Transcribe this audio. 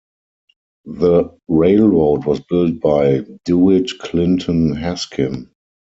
The railroad was built by Dewitt Clinton Haskin.